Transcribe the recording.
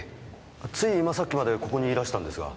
つい今さっきまでここにいらしたんですが。